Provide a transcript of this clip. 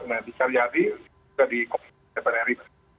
nah bisa jadi bisa dikomunikasi